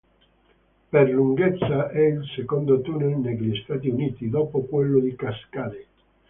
Per lunghezza è il secondo tunnel negli Stati Uniti, dopo quello di Cascade.